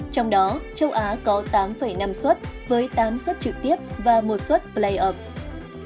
trong đó châu á có tám năm suất với tám suất trực tiếp và một suất playoff